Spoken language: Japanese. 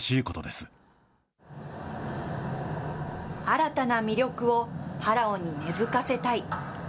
新たな魅力をパラオに根づかせたい。